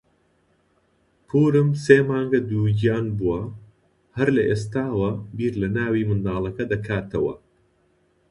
پوورم سێ مانگە دووگیان بووە و هەر لە ئێستاوە بیر لە ناوی منداڵەکە دەکاتەوە.